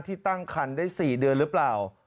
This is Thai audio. ตั้งคันได้๔เดือนหรือเปล่า